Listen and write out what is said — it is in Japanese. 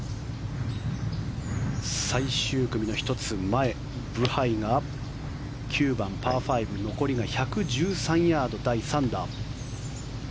最終組の１つ前ブハイが９番、パー５残りが１１３ヤード、第３打。